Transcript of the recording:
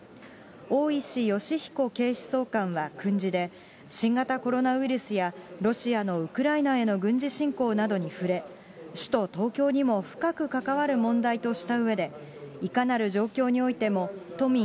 大石吉彦警視総監は訓示で、新型コロナウイルスやロシアのウクライナへの軍事侵攻などに触れ、首都東京にも深く関わる問題としたうえで、いかなる状況においても都民、